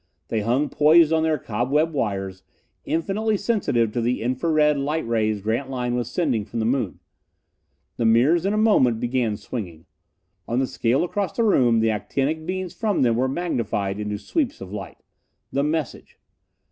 They hung poised on their cobweb wires, infinitely sensitive to the infra red light rays Grantline was sending from the moon. The mirrors in a moment began swinging. On the scale across the room the actinic beams from them were magnified into sweeps of light. The message!